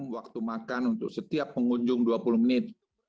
waktu makan untuk setiap pengunjung dua puluh menit